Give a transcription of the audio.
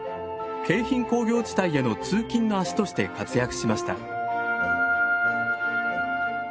京浜工業地帯への通勤の足として活躍しました。